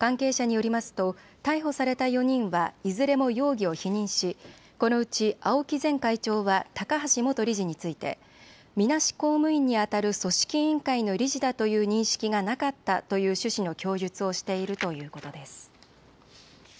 関係者によりますと逮捕された４人はいずれも容疑を否認し、このうち青木前会長は高橋元理事についてみなし公務員にあたる組織委員会の理事だという認識がなかったという趣旨の供述をしているということです。